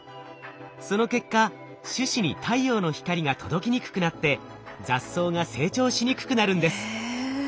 その結果種子に太陽の光が届きにくくなって雑草が成長しにくくなるんです。